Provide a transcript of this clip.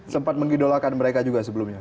sempat mengidolakan mereka juga sebelumnya